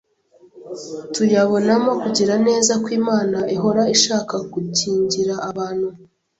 Tuyabonamo kugira neza kw’Imana, ihora ishaka gukingira abantu